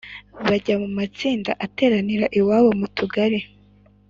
bajya mu matsinda ateranira iwabo mu Tugari